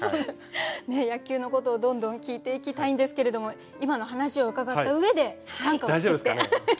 ねえ野球のことをどんどん聞いていきたいんですけれども今の話を伺った上で短歌を作っていきたいと思います。